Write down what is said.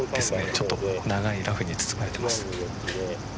ちょっと長いラフに包まれています。